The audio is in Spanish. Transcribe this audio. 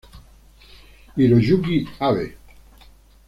Hiroyuki Abe